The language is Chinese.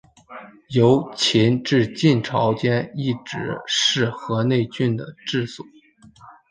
由秦至晋期间一直是河内郡的治所。